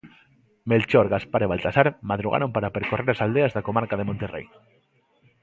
Melchor, Gaspar e Baltasar madrugaron para percorrer as aldeas da comarca de Monterrei.